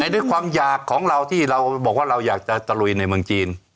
ด้วยความอยากของเราที่เราบอกว่าเราอยากจะตะลุยในเมืองจีน